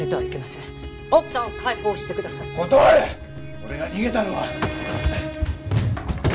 俺が逃げたのは。